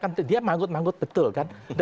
kan dia manggut manggut betul kan